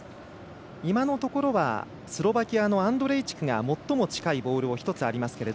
今のところはスロバキアのアンドレイチクが最も近いボールが１つありますけど。